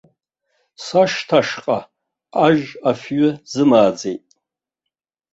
Сашҭашҟа ажь афҩы зымааӡеит.